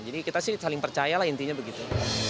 jadi kita sih saling percaya lah intinya begitu